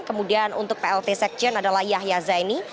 kemudian untuk plt sekjen adalah yahya zaini